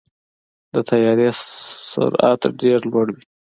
د طیارې سرعت ډېر لوړ وي.